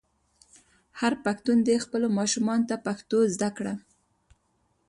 هر پښتون دې خپلو ماشومانو ته پښتو زده کړه.